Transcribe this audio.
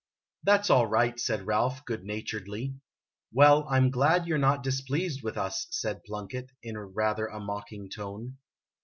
" That 's all right," said Ralph, good naturedly. " Well, I 'm glad you 're not displeased with us," said Plunkett, in rather a mocking tone.